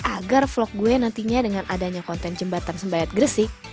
agar vlog gue nantinya dengan adanya konten jembatan sembayat gresik